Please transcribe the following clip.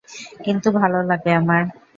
কিন্তু ভালো লাগে আমার।